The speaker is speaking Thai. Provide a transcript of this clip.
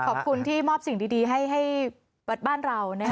ขอบคุณที่มอบสิ่งดีให้บ้านเรา